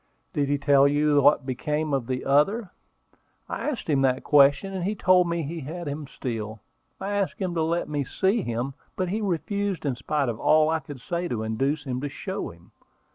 "Did he tell you what became of the other?" "I asked him that question, and he told me he had him still. I asked him to let me see him, but he refused in spite of all I could say to induce him to show him.